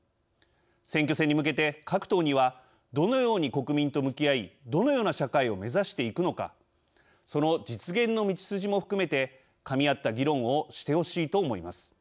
選挙戦に向けて各党にはどのように国民と向き合いどのような社会を目指していくのかその実現の道筋も含めてかみ合った議論をしてほしいと思います。